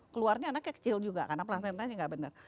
keluarnya anaknya kecil juga karena placentanya nggak benar